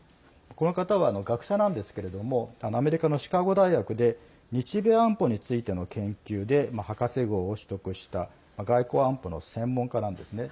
この方は学者なんですけれどもアメリカのシカゴ大学で日米安保についての研究で博士号を取得した外交安保の専門家なんですね。